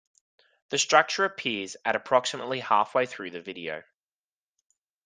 The structure appears at approximately halfway through the video.